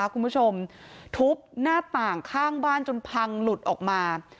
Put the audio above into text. คุณผู้ชมทุบหน้าต่างข้างบ้านจนพังหลุดออกมา